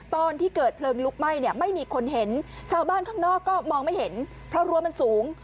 ตอนที่เกิดเพลิงลุกไหม้เนี่ยไม่มีคนเห็นชาวบ้านข้างนอกก็มองไม่เห็นเพราะรั้วมันสูง